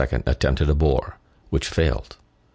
attempted a bore, which failed.